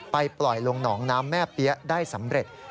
ไปปล่อยลงหนองน้ำแม่เปี๊ยะได้สำเร็จ